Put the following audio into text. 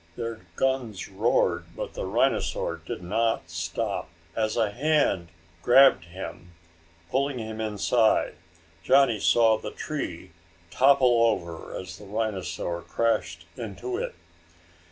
Their guns roared, but the rhinosaur did not stop. As a hand grabbed him, pulling him inside, Johnny saw the tree topple over as the rhinosaur crashed into it.